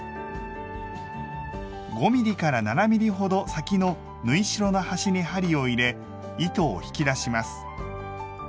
５ｍｍ７ｍｍほど先の縫い代の端に針を入れ糸を引き出します。